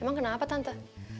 emang kenapa tante